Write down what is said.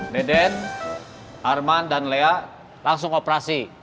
deden arman dan lea langsung operasi